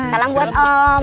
salam buat om